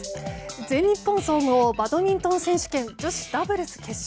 全日本総合バドミントン選手権女子ダブルス決勝。